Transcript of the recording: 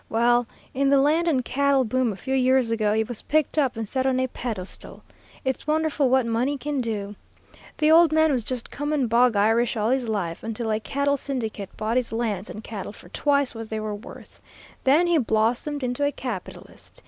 Well, in the land and cattle boom a few years ago he was picked up and set on a pedestal. It's wonderful what money can do! The old man was just common bog Irish all his life, until a cattle syndicate bought his lands and cattle for twice what they were worth. Then he blossomed into a capitalist.